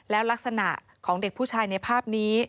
แล้วลักษณะของเด็กผู้ชายในภาพนี้